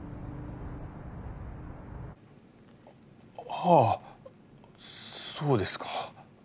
はあそうですか。